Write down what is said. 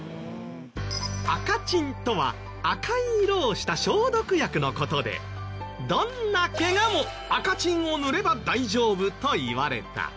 赤チンとは赤い色をした消毒薬の事でどんなケガも赤チンを塗れば大丈夫といわれた。